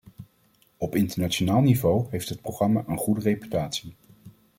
Op internationaal niveau heeft het programma een goede reputatie.